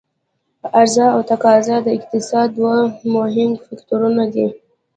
عرضا او تقاضا د اقتصاد دوه مهم فکتورونه دي.